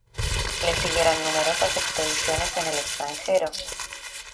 Le siguieron numerosas expediciones en el extranjero.